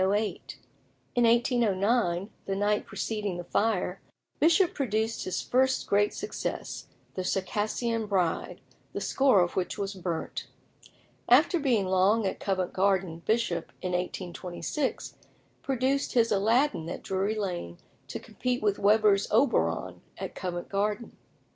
In 1809, the night preceding the fire, Bishop produced his first great success, "The Circassian Bride," the score of which was burnt. After being long at Covent Garden, Bishop, in 1826, produced his "Aladdin" at Drury Lane to compete with Weber's "Oberon" at Covent Garden.